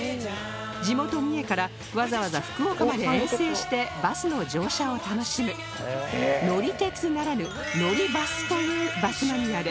地元三重からわざわざ福岡まで遠征してバスの乗車を楽しむ乗り鉄ならぬ「乗りバス」というバスマニアです